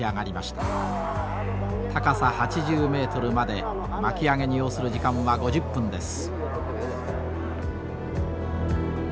高さ８０メートルまで巻き上げに要する時間は５０分です。